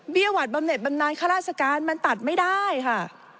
หวัดบำเน็ตบำนานข้าราชการมันตัดไม่ได้ค่ะ